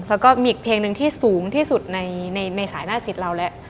แล้วก็มีอีกเพลงหนึ่งที่สูงที่สุดในสายหน้าสิทธิ์เราแล้ว